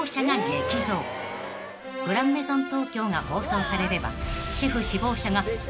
［『グランメゾン東京』が放送されれば］